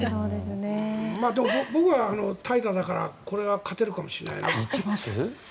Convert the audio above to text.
でも僕は怠惰だからこれは勝てるかもしれないな。